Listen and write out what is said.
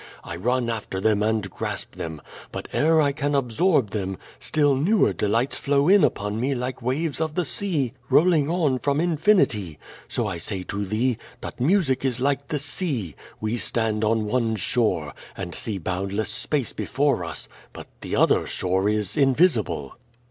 I run after them and grasj) them, but ere I can absorb them, still n<»wer delights (low in upon me like waves of the sea rollin«j on from infinity. So I say to thee, that music is like the sea: we stand on one shore, and see boundless space be fore us, but the other shore is invisible.'